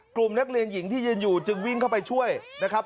กลุ่มนักเรียนหญิงที่ยืนอยู่จึงวิ่งเข้าไปช่วยนะครับ